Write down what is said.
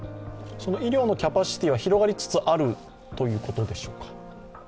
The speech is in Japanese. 医療のキャパシティーは広がりつつあるということでしょうか。